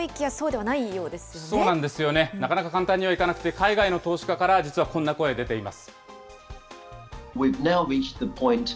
なかなか簡単にはいかなくて、海外の投資家から実はこんな声出ています。